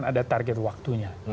ada target waktunya